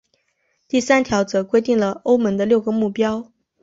第三条则规定了欧盟的六个目标。